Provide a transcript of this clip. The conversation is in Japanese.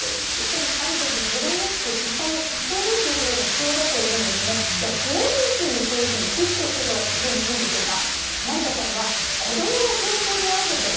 やっぱりある程度手放して、失敗させることも必要だというんですね、どういうふうにそういうふうにシフトしていけばいいんでしょうか。